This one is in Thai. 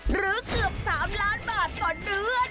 หรือเกือบ๓ล้านบาทต่อเดือน